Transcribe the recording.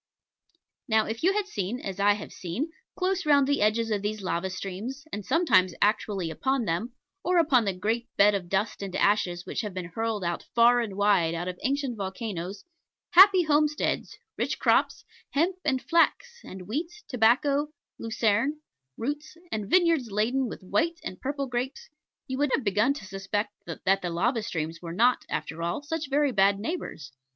Now if you had seen, as I have seen, close round the edges of these lava streams, and sometimes actually upon them, or upon the great bed of dust and ashes which have been hurled far and wide out of ancient volcanos, happy homesteads, rich crops, hemp and flax, and wheat, tobacco, lucerne, roots, and vineyards laden with white and purple grapes, you would have begun to suspect that the lava streams were not, after all, such very bad neighbours.